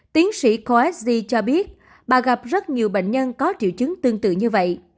tiến sĩ corsg cho biết bà gặp rất nhiều bệnh nhân có triệu chứng tương tự như vậy